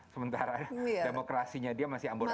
sementara demokrasinya dia masih ambur adul